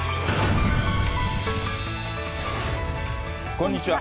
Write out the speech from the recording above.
こんにちは。